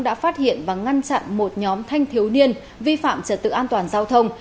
đã phát hiện và ngăn chặn một nhóm thanh thiếu niên vi phạm trật tự an toàn giao thông